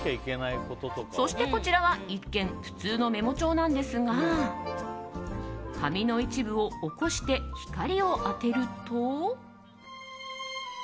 そして、こちらは一見普通のメモ帳なんですが紙の一部を起こして光を当てると。